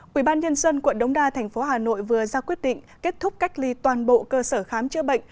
quỹ ban nhân dân quận đống đa thành phố hà nội vừa ra quyết định kết thúc cách ly toàn bộ cơ sở khám chữa bệnh